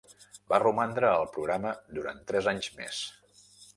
Va romandre al programa durant tres anys més.